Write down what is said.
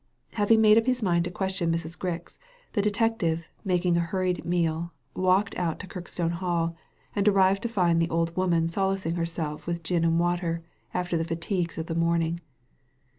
'* Having made up his mind to question Mrs. Grix, the detective, making a hurried meal, walked out to Kirkstone Hall, and arrived to find the old woman solacing herself with gin and water after the fatigues of the morning.